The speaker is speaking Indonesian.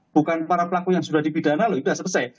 bukan para pelaku yang sudah dipidana loh sudah selesai